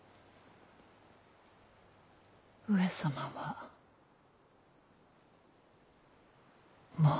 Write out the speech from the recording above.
上様はもう。